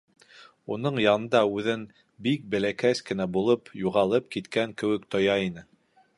Уның янында үҙен, бик бәләкәс кенә булып, юғалып киткән кеүек тоя ине.